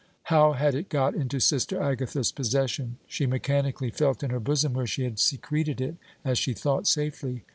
How had it got into Sister Agatha's possession? She mechanically felt in her bosom where she had secreted it, as she thought, safely.